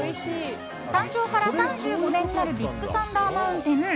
誕生から３５年になるビッグサンダー・マウンテン。